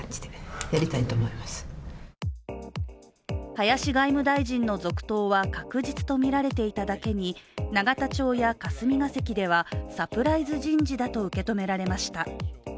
林外務大臣の続投は確実とみられていただけに永田町や霞が関ではサプライズ人事だと受け止められました。